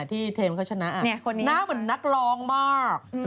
ที่เทมเขาชนะหน้าเหมือนนักร้องมาก